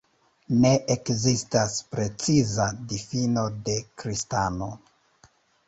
Ne ekzistas preciza difino de kristano.